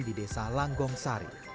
di desa langgong sari